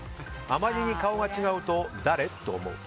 あまりに顔が違うと誰？と思う。